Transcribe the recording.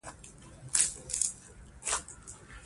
افغانستان د طلا د ساتنې لپاره قوانین لري.